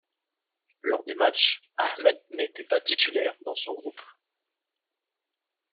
Lors des matchs, Ahmed n'était pas titulaire dans son groupe.